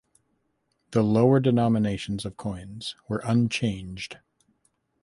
The lower denominations of coins were unchanged.